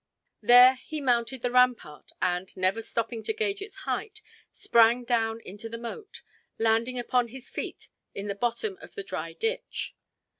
There he mounted the rampart and, never stopping to gauge its height, sprang down into the moat, landing upon his feet in the bottom of the dry ditch.